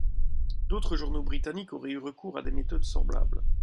D'autres journaux britanniques auraient eu recours à des méthodes semblables.